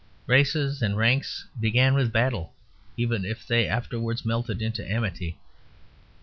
Races and ranks began with battle, even if they afterwards melted into amity.